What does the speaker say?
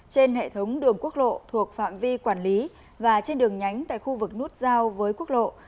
trên hệ thống đường quốc lộ thuộc phạm vi quản lý và trên đường nhánh tại khu vực nút giao với quốc lộ